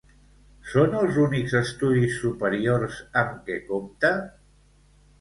Són els únics estudis superiors amb què compta?